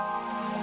dan sampai sekarang